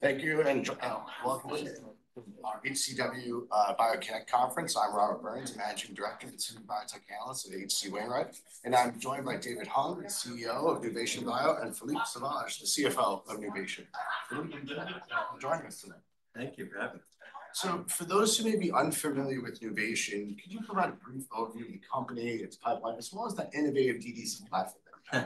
Thank you, and welcome to our HCW Bio Connect Conference. I'm Robert Burns, Managing Director and Senior Biotech Analyst at H.C. Wainwright. I'm joined by David Hung, the CEO of Nuvation Bio, and Philippe Sauvage, the CFO of Nuvation. Thank you for having us. For those who may be unfamiliar with Nuvation, could you provide a brief overview of the company, its pipeline, as well as that innovative DDC platform?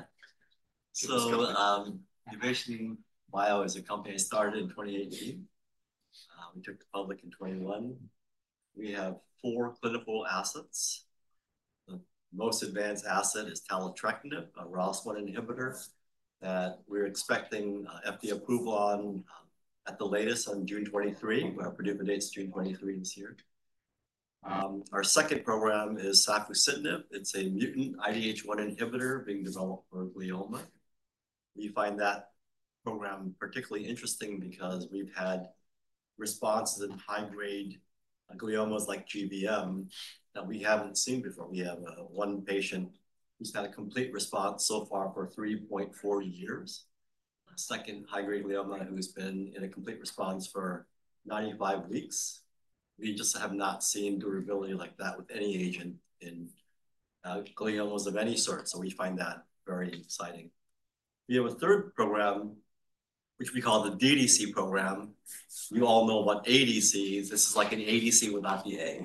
Nuvation Bio is a company I started in 2018. We took it public in 2021. We have four clinical assets. The most advanced asset is taletrectinib, a ROS1 inhibitor that we're expecting FDA approval on at the latest on June 23. Our predicted date is June 23 this year. Our second program is safusidenib. It's a mutant IDH1 inhibitor being developed for glioma. We find that program particularly interesting because we've had responses in high-grade gliomas like GBM that we haven't seen before. We have one patient who's had a complete response so far for 3.4 years, a second high-grade glioma who's been in a complete response for 95 weeks. We just have not seen durability like that with any agent in gliomas of any sort. We find that very exciting. We have a third program, which we call the DDC program. You all know what ADC is. This is like an ADC without the A.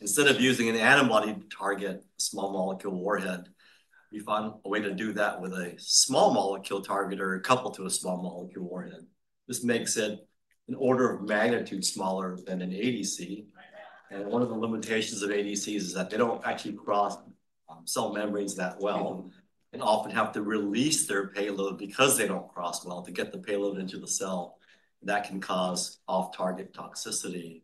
Instead of using an antibody to target a small molecule warhead, we found a way to do that with a small molecule target or a couple to a small molecule warhead. This makes it an order of magnitude smaller than an ADC. One of the limitations of ADCs is that they do not actually cross cell membranes that well and often have to release their payload because they do not cross well to get the payload into the cell. That can cause off-target toxicity.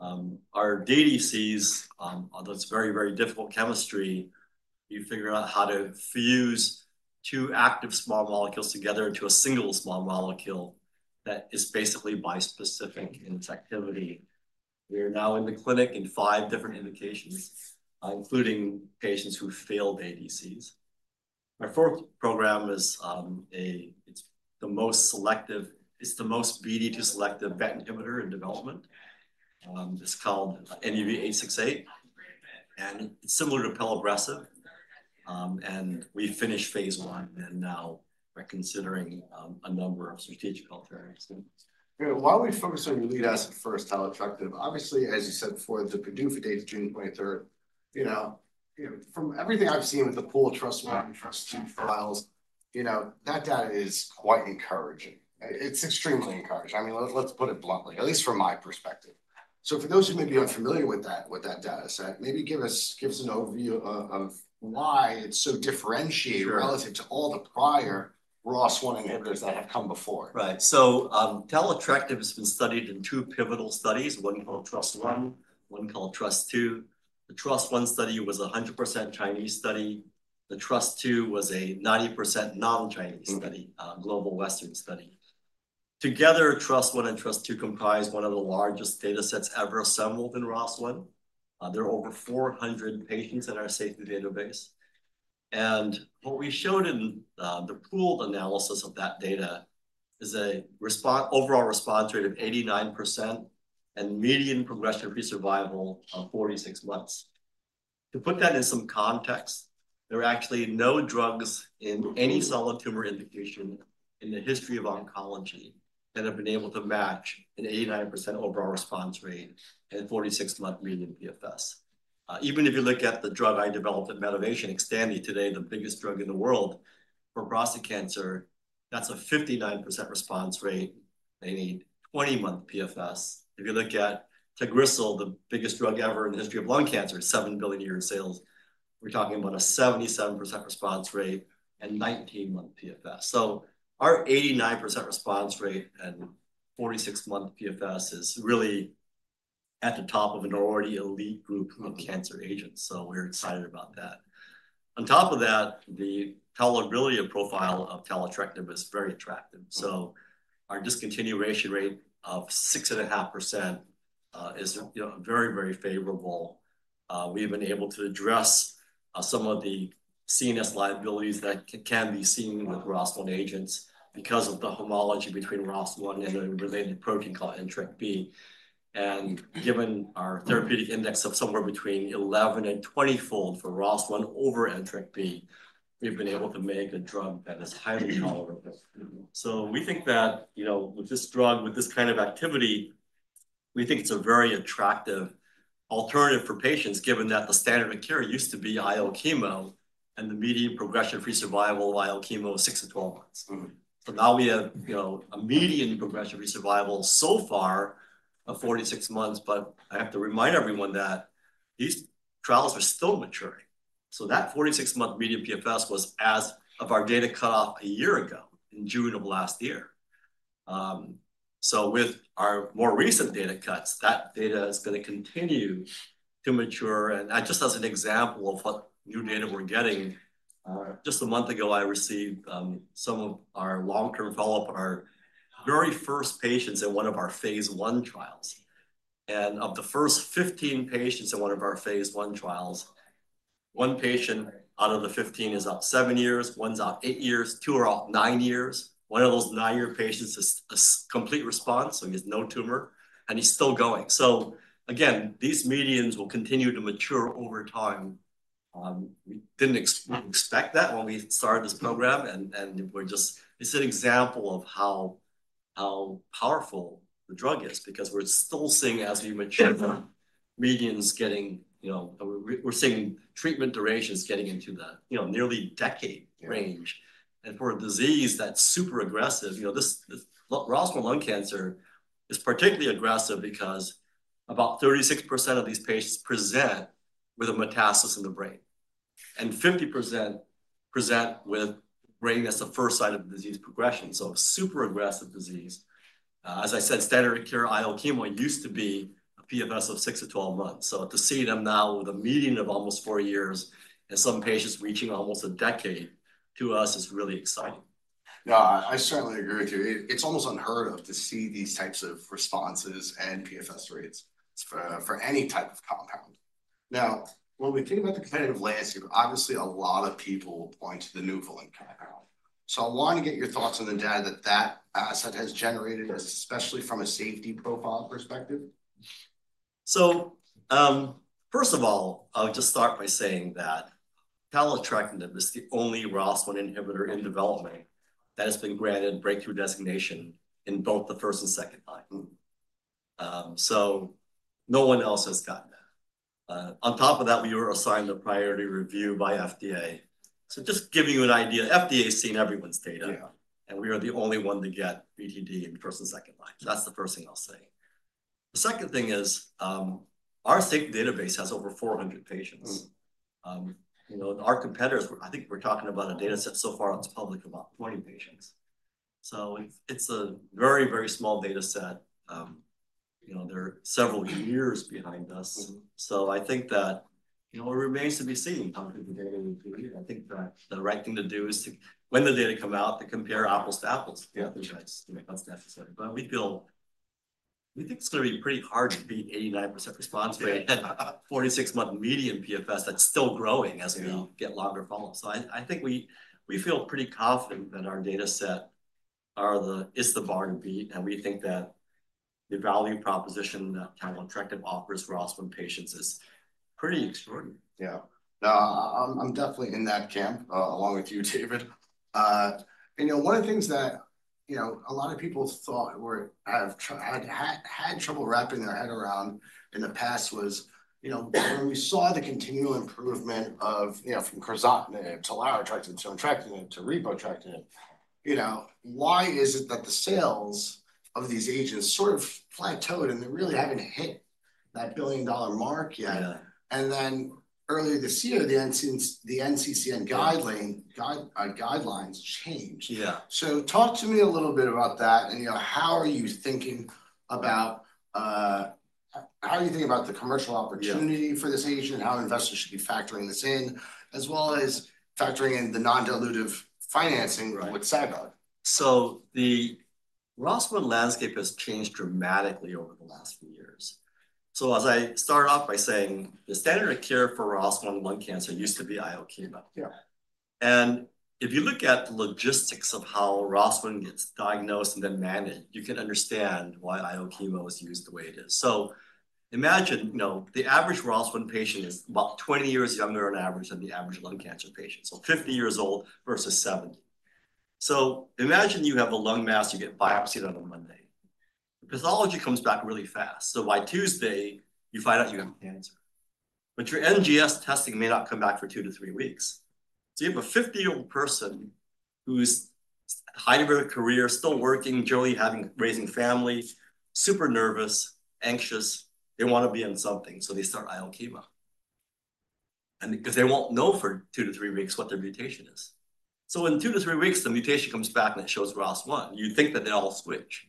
Our DDCs, although it is very, very difficult chemistry, you figure out how to fuse two active small molecules together into a single small molecule that is basically bispecific in its activity. We are now in the clinic in five different indications, including patients who failed ADCs. Our fourth program is the most selective. It's the most BD2-selective BET inhibitor in development. It's called NUV-868, and it's similar to pelabresib. We finished phase I, and now we're considering a number of strategic alternatives. While we focus on the lead asset first, taletrectinib, obviously, as you said before, the PDUFA date is June 23. You know, from everything I've seen with the pooled TRUST, TRUST files, you know, that data is quite encouraging. It's extremely encouraging. I mean, let's put it bluntly, at least from my perspective. For those who may be unfamiliar with that dataset, maybe give us an overview of why it's so differentiated relative to all the prior ROS1 inhibitors that have come before. Right. Taletrectinib has been studied in two pivotal studies: one called TRUST-I, one called TRUST-II. The TRUST-I study was a 100% Chinese study. The TRUST-II was a 90% non-Chinese study, a global Western study. Together, TRUST-I and TRUST-II comprise one of the largest datasets ever assembled in ROS1. There are over 400 patients in our safety database. What we showed in the pooled analysis of that data is an overall response rate of 89% and median progression-free survival of 46 months. To put that in some context, there are actually no drugs in any solid tumor indication in the history of oncology that have been able to match an 89% overall response rate and 46-month median PFS. Even if you look at the drug I developed at Medivation, XTANDI today, the biggest drug in the world for prostate cancer, that's a 59% response rate. They need 20-month PFS. If you look at Tagrisso, the biggest drug ever in the history of lung cancer, $7 billion a year sales, we're talking about a 77% response rate and 19-month PFS. Our 89% response rate and 46-month PFS is really at the top of an already elite group of cancer agents. We're excited about that. On top of that, the tolerability profile of taletrectinib is very attractive. Our discontinuation rate of 6.5% is very, very favorable. We've been able to address some of the CNS liabilities that can be seen with ROS1 agents because of the homology between ROS1 and a related protein called NTRK B. Given our therapeutic index of somewhere between 11-20-fold for ROS1 over entrectinib, we've been able to make a drug that is highly tolerable. We think that, you know, with this drug, with this kind of activity, we think it's a very attractive alternative for patients, given that the standard of care used to be IO chemo and the median progression-free survival of IO chemo was 6-12 months. Now we have a median progression-free survival so far of 46 months. I have to remind everyone that these trials are still maturing. That 46-month median PFS was as of our data cutoff a year ago in June of last year. With our more recent data cuts, that data is going to continue to mature. Just as an example of what new data we're getting, just a month ago, I received some of our long-term follow-up on our very first patients in one of our phase I trials. Of the first 15 patients in one of our phase I trials, one patient out of the 15 is out seven years, one's out eight years, two are out nine years. One of those nine-year patients is a complete response, so he has no tumor, and he's still going. Again, these medians will continue to mature over time. We didn't expect that when we started this program, and it's an example of how powerful the drug is because we're still seeing, as we mature, medians getting, you know, we're seeing treatment durations getting into the nearly decade range. For a disease that's super aggressive, you know, ROS1 lung cancer is particularly aggressive because about 36% of these patients present with a metastasis in the brain, and 50% present with brain as the first site of disease progression. Super aggressive disease. As I said, standard of care IL chemo used to be a PFS of 6-12 months. To see them now with a median of almost four years and some patients reaching almost a decade to us is really exciting. Yeah, I certainly agree with you. It's almost unheard of to see these types of responses and PFS rates for any type of compound. Now, when we think about the competitive landscape, obviously a lot of people point to. So I want to get your thoughts on the data that that asset has generated, especially from a safety profile perspective. First of all, I'll just start by saying that taletrectinib is the only ROS1 inhibitor in development that has been granted breakthrough designation in both the first and second line. No one else has gotten that. On top of that, we were assigned the priority review by FDA. Just giving you an idea, FDA's seen everyone's data, and we are the only one to get BTD in first and second line. That's the first thing I'll say. The second thing is our safety database has over 400 patients. You know, our competitors, I think we're talking about a dataset so far out to public of about 20 patients. It's a very, very small dataset. You know, they're several years behind us. I think that, you know, it remains to be seen how good the data will be. I think that the right thing to do is to, when the data come out, to compare apples to apples to see whether that's necessary. We feel we think it's going to be pretty hard to beat 89% response rate and 46-month median PFS that's still growing as we get longer follow-ups. I think we feel pretty confident that our dataset is the bar to beat. We think that the value proposition that taletrectinib offers for ROS1 patients is pretty extraordinary. Yeah. No, I'm definitely in that camp along with you, David. And you know, one of the things that, you know, a lot of people thought had trouble wrapping their head around in the past was, you know, when we saw the continual improvement of, you know, from crizotinib to lorlatinib to entrectinib to repotrectinib, you know, why is it that the sales of these agents sort of plateaued and they really haven't hit that billion-dollar mark yet? And then earlier this year, the NCCN guidelines changed. Yeah. Talk to me a little bit about that. And you know, how are you thinking about how are you thinking about the commercial opportunity for this agent, how investors should be factoring this in, as well as factoring in the non-dilutive financing with Sagard? The ROS1 landscape has changed dramatically over the last few years. As I started off by saying, the standard of care for ROS1 lung cancer used to be IO chemo. Yeah. If you look at the logistics of how ROS1 gets diagnosed and then managed, you can understand why IO chemo is used the way it is. Imagine, you know, the average ROS1 patient is about 20 years younger on average than the average lung cancer patient. Fifty years old versus seventy. Imagine you have a lung mass, you get biopsied on a Monday. The pathology comes back really fast. By Tuesday, you find out you have cancer. Your NGS testing may not come back for two to three weeks. You have a 50-year-old person who's a highly varied career, still working, generally raising family, super nervous, anxious. They want to be on something. They start IL chemo because they won't know for two to three weeks what their mutation is. In two to three weeks, the mutation comes back and it shows ROS1. You'd think that they all switch.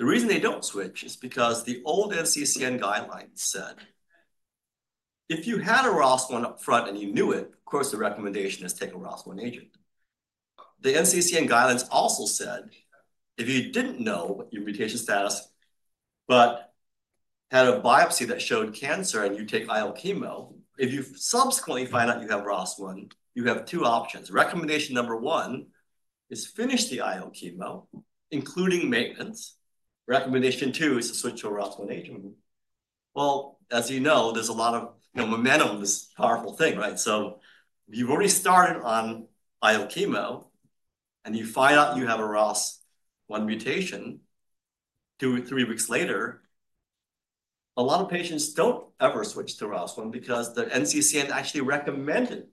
The reason they don't switch is because the old NCCN guidelines said if you had a ROS1 upfront and you knew it, of course, the recommendation is to take a ROS1 agent. The NCCN guidelines also said if you didn't know your mutation status, but had a biopsy that showed cancer and you take IL chemo, if you subsequently find out you have ROS1, you have two options. Recommendation number one is finish the IL chemo, including maintenance. Recommendation two is to switch to a ROS1 agent. As you know, there's a lot of momentum in this powerful thing, right? You've already started on IO chemo, and you find out you have a ROS1 mutation two or three weeks later, a lot of patients don't ever switch to ROS1 because the NCCN actually recommended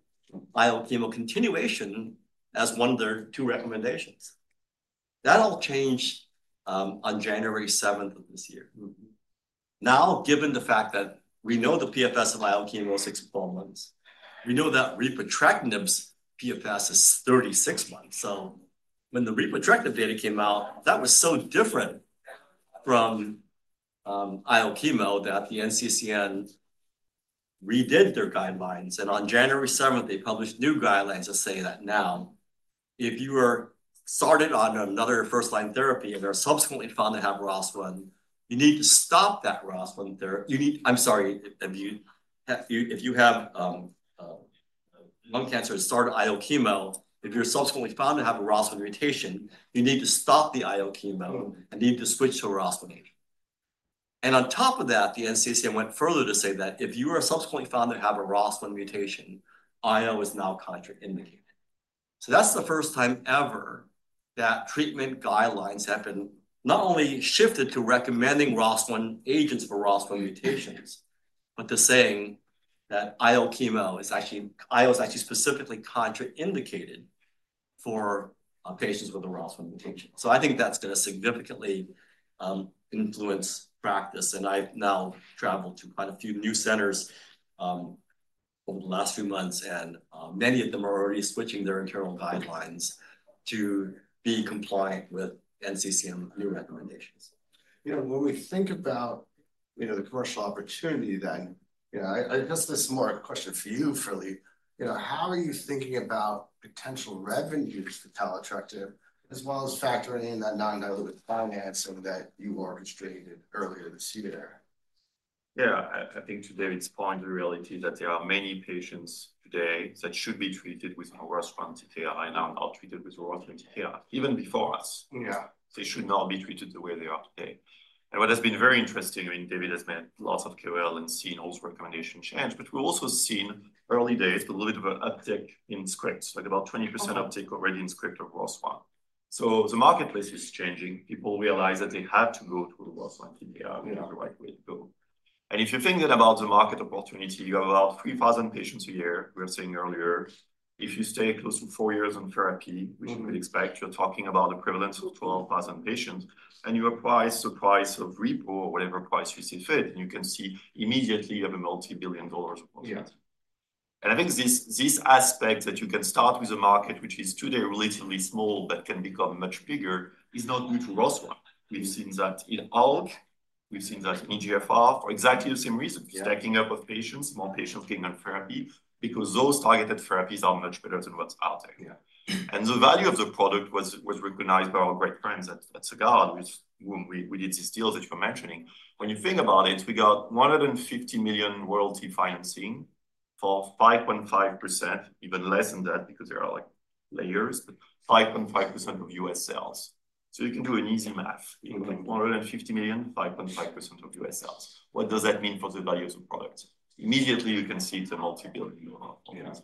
IO chemo continuation as one of their two recommendations. That all changed on January 7 of this year. Now, given the fact that we know the PFS of IO chemo is 6-12 months, we know that repotrectinib's PFS is 36 months. When the repotrectinib data came out, that was so different from IO chemo that the NCCN redid their guidelines. On January 7, they published new guidelines that say that now if you are started on another first-line therapy and are subsequently found to have ROS1, you need to stop that ROS1 therapy. I'm sorry, if you have lung cancer and start IO chemo, if you're subsequently found to have a ROS1 mutation, you need to stop the IO chemo and need to switch to a ROS1 agent. On top of that, the NCCN went further to say that if you are subsequently found to have a ROS1 mutation, IO is now contraindicated. That is the first time ever that treatment guidelines have been not only shifted to recommending ROS1 agents for ROS1 mutations, but to saying that IO chemo is actually specifically contraindicated for patients with a ROS1 mutation. I think that is going to significantly influence practice. I've now traveled to quite a few new centers over the last few months, and many of them are already switching their internal guidelines to be compliant with NCCN new recommendations. You know, when we think about, you know, the commercial opportunity then, you know, I guess this is more a question for you, Philippe. You know, how are you thinking about potential revenues for taletrectinib as well as factoring in that non-dilutive financing that you orchestrated earlier this year? Yeah, I think to David's point, the reality is that there are many patients today that should be treated with ROS1 TTR and are now treated with ROS1 TTR even before us. Yeah, they should not be treated the way they are today. What has been very interesting, I mean, David has made lots of KOL and seen those recommendations change, but we've also seen early days with a little bit of an uptick in scripts, like about 20% uptick already in script of ROS1. The marketplace is changing. People realize that they have to go through the ROS1 TTR, which is the right way to go. If you think about the market opportunity, you have about 3,000 patients a year, we were saying earlier. If you stay close to four years on therapy, which we would expect, you're talking about a prevalence of 12,000 patients, and you apply the price of repo or whatever price you see fit, and you can see immediately you have a multi-billion dollars of profit. I think this aspect that you can start with a market, which is today relatively small, but can become much bigger, is not new to ROS1. We've seen that in ALK, we've seen that in EGFR for exactly the same reason, stacking up of patients, more patients getting on therapy, because those targeted therapies are much better than what's out there. The value of the product was recognized by our great friends at Sagard, with whom we did these deals that you're mentioning. When you think about it, we got $150 million royalty financing for 5.5%, even less than that because there are like layers, but 5.5% of U.S. sales. You can do an easy math. You have $150 million, 5.5% of U.S. sales. What does that mean for the value of the product? Immediately, you can see it's a multi-billion dollar opportunity.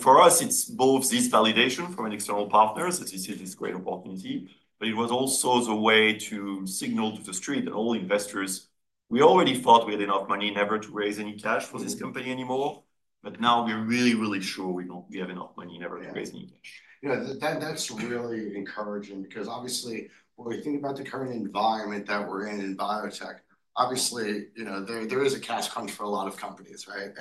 For us, it's both this validation from external partners, as you see, this great opportunity, but it was also the way to signal to the street and all investors, we already thought we had enough money never to raise any cash for this company anymore, but now we're really, really sure we have enough money never to raise any cash. Yeah. You know, that's really encouraging because obviously, when we think about the current environment that we're in in biotech, obviously, you know, there is a cash crunch for a lot of companies, right?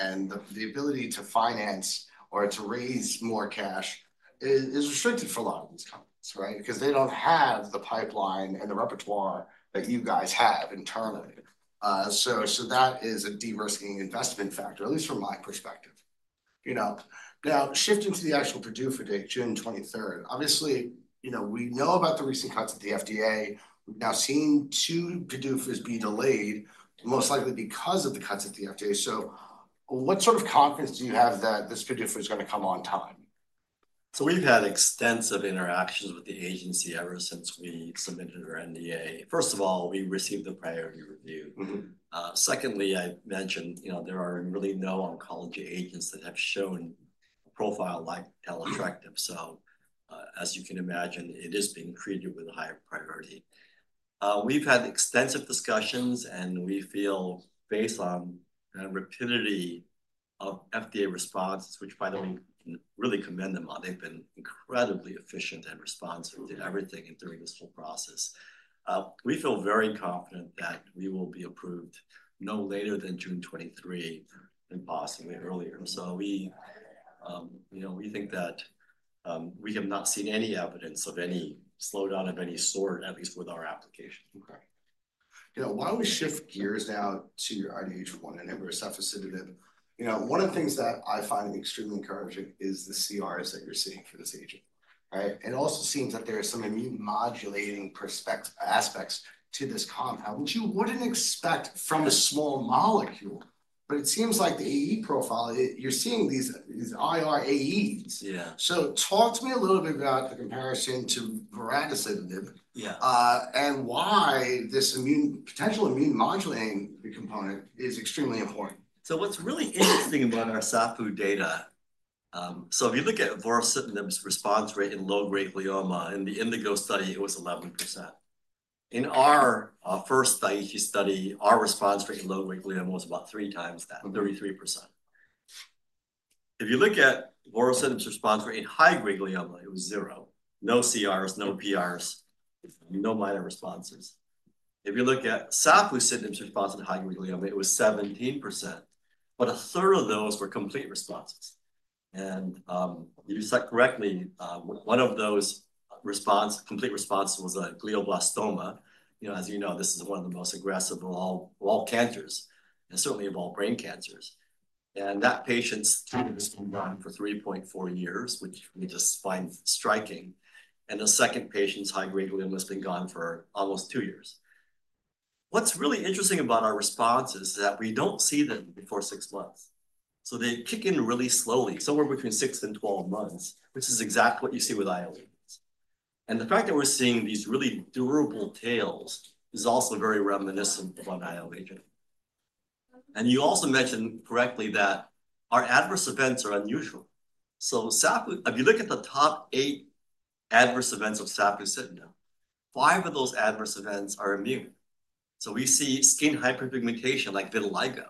The ability to finance or to raise more cash is restricted for a lot of these companies, right? Because they don't have the pipeline and the repertoire that you guys have internally. That is a de-risking investment factor, at least from my perspective. You know, now shifting to the actual PDUFA date, June 23rd, obviously, you know, we know about the recent cuts at the FDA. We've now seen two PDUFAs be delayed, most likely because of the cuts at the FDA. What sort of confidence do you have that this PDUFA is going to come on time? We've had extensive interactions with the agency ever since we submitted our NDA. First of all, we received the priority review. Secondly, I mentioned, you know, there are really no oncology agents that have shown a profile like taletrectinib. As you can imagine, it is being treated with a higher priority. We've had extensive discussions, and we feel, based on the rapidity of FDA responses, which, by the way, we really commend them on, they've been incredibly efficient and responsive to everything during this whole process. We feel very confident that we will be approved no later than June 23 and possibly earlier. We, you know, we think that we have not seen any evidence of any slowdown of any sort, at least with our application. Okay. You know, while we shift gears now to your IDH1 and then we're self-assisted, you know, one of the things that I find extremely encouraging is the CRs that you're seeing for this agent, right? It also seems that there are some immune-modulating aspects to this compound, which you wouldn't expect from a small molecule, but it seems like the AE profile, you're seeing these IRAEs. Talk to me a little bit about the comparison to vorasidenib and why this potential immune-modulating component is extremely important. What's really interesting about our safusidenib data, if you look at vorasidenib's response rate in low-grade glioma in the Indigo study, it was 11%. In our first study, our response rate in low-grade glioma was about three times that, 33%. If you look at vorasidenib's response rate in high-grade glioma, it was zero. No CRs, no PRs, no minor responses. If you look at safusidenib's response in high-grade glioma, it was 17%, but a third of those were complete responses. If you said correctly, one of those complete responses was a glioblastoma. You know, as you know, this is one of the most aggressive of all cancers and certainly of all brain cancers. That patient's tumor has been gone for 3.4 years, which we just find striking. The second patient's high-grade glioma has been gone for almost two years. What's really interesting about our responses is that we don't see them before six months. They kick in really slowly, somewhere between 6 and 12 months, which is exactly what you see with IL agents. The fact that we're seeing these really durable tails is also very reminiscent of an IL agent. You also mentioned correctly that our adverse events are unusual. If you look at the top eight adverse events of safusidenib, five of those adverse events are immune. We see skin hyperpigmentation like vitiligo.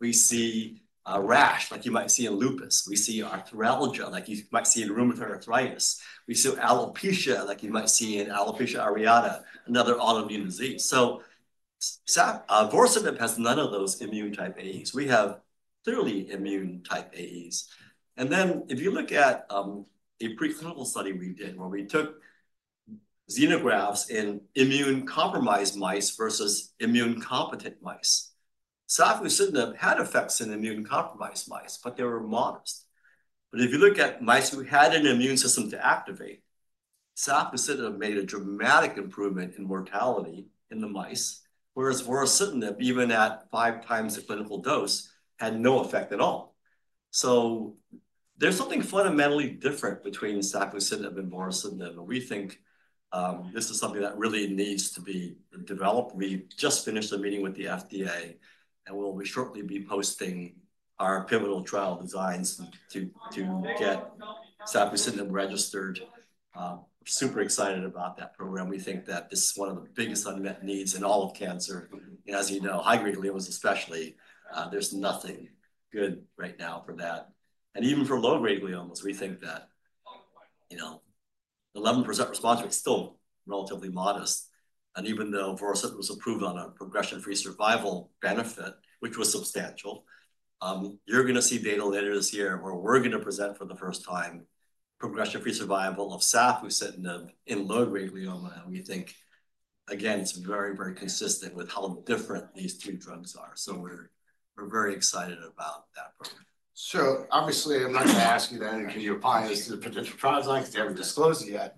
We see a rash like you might see in lupus. We see arthralgia like you might see in rheumatoid arthritis. We see alopecia like you might see in alopecia areata, another autoimmune disease. Vorasidenib has none of those immune-type AEs. We have clearly immune-type AEs. If you look at a preclinical study we did where we took xenografts in immune-compromised mice versus immune-competent mice, safusidenib had effects in immune-compromised mice, but they were modest. If you look at mice who had an immune system to activate, safusidenib made a dramatic improvement in mortality in the mice, whereas vorasidenib, even at five times the clinical dose, had no effect at all. There is something fundamentally different between safusidenib and vorasidenib. We think this is something that really needs to be developed. We just finished a meeting with the FDA, and we will shortly be posting our pivotal trial designs to get safusidenib registered. We are super excited about that program. We think that this is one of the biggest unmet needs in all of cancer. As you know, high-grade gliomas especially, there is nothing good right now for that. Even for low-grade gliomas, we think that, you know, 11% response rate is still relatively modest. Even though vorasidenib was approved on a progression-free survival benefit, which was substantial, you're going to see data later this year where we're going to present for the first time progression-free survival of safusidenib in low-grade glioma. We think, again, it's very, very consistent with how different these two drugs are. We're very excited about that program. Obviously, I'm not going to ask you that, and can you apply this to the potential trial design? Because you haven't disclosed it yet.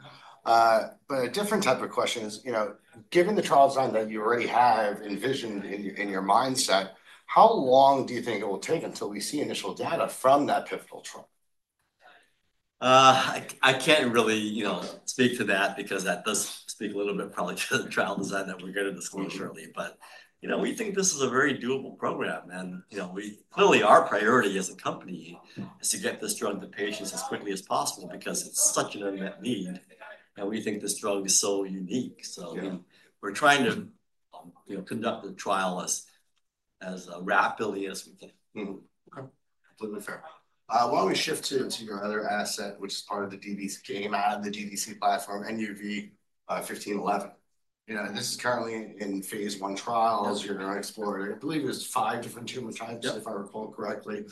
A different type of question is, you know, given the trial design that you already have envisioned in your mindset, how long do you think it will take until we see initial data from that pivotal trial? I can't really, you know, speak to that because that does speak a little bit probably to the trial design that we're going to disclose shortly. You know, we think this is a very doable program. You know, we clearly our priority as a company is to get this drug to patients as quickly as possible because it's such an unmet need. We think this drug is so unique. We are trying to, you know, conduct the trial as rapidly as we can. Okay. Completely fair. While we shift to your other asset, which is part of the DDC, came out of the DDC platform, NUV-1511. You know, this is currently in phase I trials. You're going to explore, I believe there's five different tumor types, if I recall correctly. You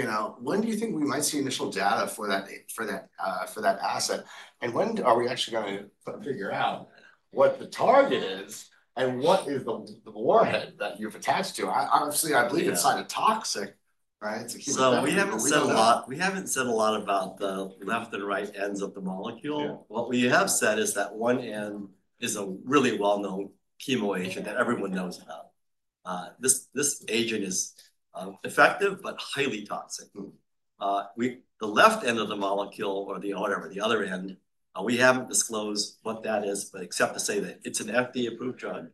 know, when do you think we might see initial data for that asset? And when are we actually going to figure out what the target is and what is the warhead that you've attached to? Obviously, I believe it's cytotoxic, right? We have not said a lot about the left and right ends of the molecule. What we have said is that one end is a really well-known chemo agent that everyone knows about. This agent is effective, but highly toxic. The left end of the molecule, or whatever, the other end, we have not disclosed what that is, except to say that it is an FDA-approved drug.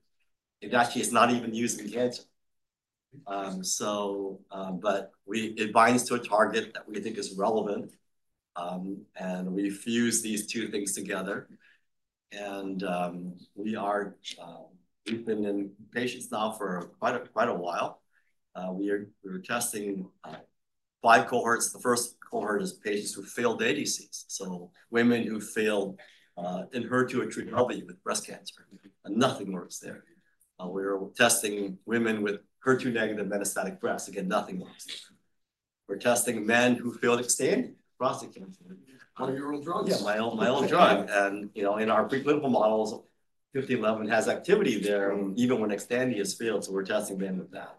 It actually is not even used in cancer. It binds to a target that we think is relevant. We fuse these two things together. We have been in patients now for quite a while. We were testing five cohorts. The first cohort is patients who failed ADCs, so women who failed in HER2 or treated LV with breast cancer. Nothing works there. We were testing women with HER2 negative metastatic breast. Again, nothing works there. We're testing men who failed XTANDI for prostate cancer. One-year-old drug? Yeah, my old drug. And, you know, in our preclinical models, 1511 has activity there even when XTANDI has failed. So we're testing men with that.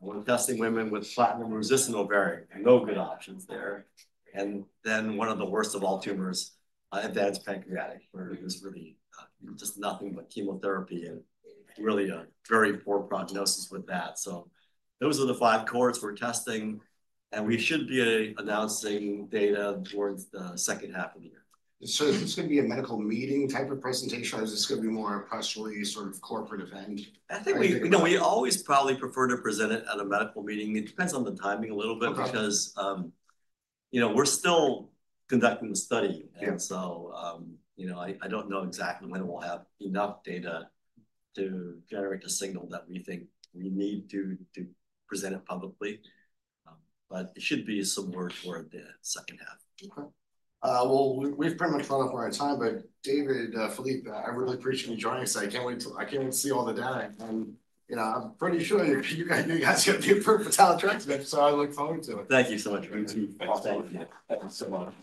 We're testing women with platinum-resistant ovarian. No good options there. And then one of the worst of all tumors, advanced pancreatic, where there's really just nothing but chemotherapy and really a very poor prognosis with that. So those are the five cohorts we're testing. And we should be announcing data towards the second half of the year. Is this going to be a medical meeting type of presentation, or is this going to be more a press release sort of corporate event? I think we always probably prefer to present it at a medical meeting. It depends on the timing a little bit because, you know, we're still conducting the study. You know, I don't know exactly when we'll have enough data to generate the signal that we think we need to present it publicly. It should be some words toward the second half. Okay. We've pretty much run up on our time, but David, Philippe, I really appreciate you joining us. I can't wait to see all the data. You know, I'm pretty sure you guys are going to be approved for taletrectinib. I look forward to it. Thank you so much.